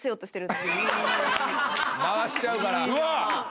回しちゃうから。